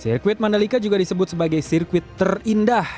sirkuit mandalika juga disebut sebagai sirkuit terindah